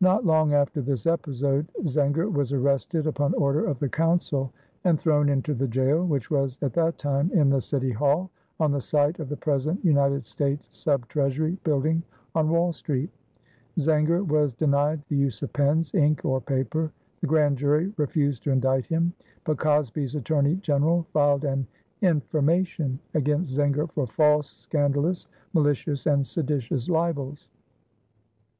Not long after this episode Zenger was arrested upon order of the Council and thrown into the jail, which was at that time in the City Hall on the site of the present United States Sub Treasury building on Wall Street. Zenger was denied the use of pens, ink, or paper. The grand jury refused to indict him. But Cosby's attorney general filed an "information" against Zenger for "false, scandalous, malicious and seditious libels."